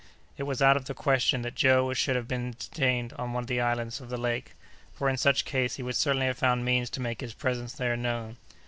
It was out of the question that Joe should have been detained on one of the islands of the lake; for, in such case he would certainly have found means to make his presence there known.